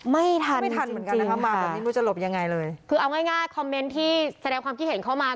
ไม่ทันจริงค่ะคือเอาง่ายคอมเม้นท์ที่แสดงความที่เห็นเข้ามา